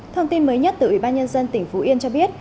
thông tin mới nhất từ ủy ban nhân dân tỉnh phú yên cho biết